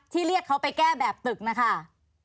เรียกเขาไปแก้แบบตึกนะคะ